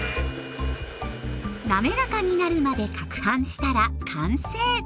滑らかになるまでかくはんしたら完成。